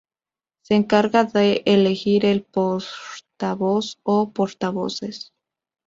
Se encarga de elegir al portavoz o portavoces.